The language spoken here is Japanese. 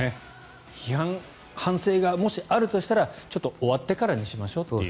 批判、反省がもしあるとしたらちょっと、終わってからにしましょうっていう。